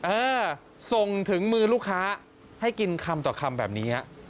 เออส่งถึงมือลูกค้าให้กินคำต่อคำแบบนี้ฮะ